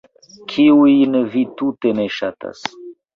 Kiujn vi tute ne ŝatas?